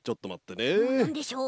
なんでしょう？